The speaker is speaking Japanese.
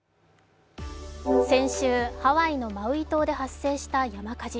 先週、ハワイのマウイ島で発生した山火事。